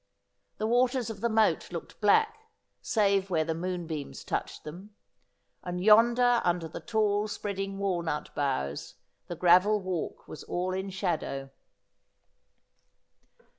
The waters of the moat looked black, save where the moonbeams touched them ; and yonder under the tall spreading walnut boughs the gravel walk was all in shadow.